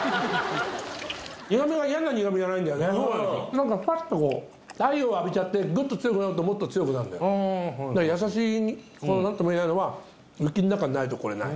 何かファッとこう太陽を浴びちゃってグッと強くなるともっと強くなんだよだから優しいこの何ともいえないのは雪ん中にないとこれ無い